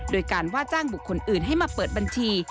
โดยการว่าจ้างบุคคลอื่นให้มาเปิดบัญชี